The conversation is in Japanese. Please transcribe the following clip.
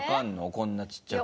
こんなちっちゃくて。